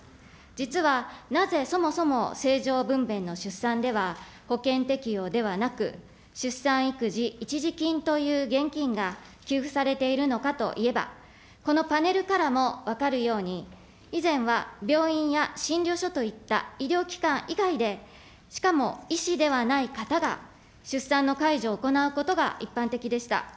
実はなぜそもそも正常分娩の出産では、保険適用ではなく、出産育児一時金という現金が給付されているのかといえば、このパネルからも分かるように、以前は病院や診療所といった医療機関以外で、しかも医師ではない方が出産の介助を行うことが一般的でした。